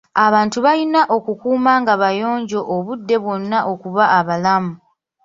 Abantu bayina okukuuma nga bayonjo obudde bwonna okuba abalamu.